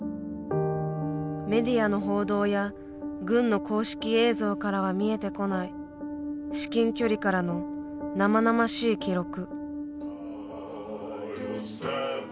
メディアの報道や軍の公式映像からは見えてこない至近距離からの生々しい記録。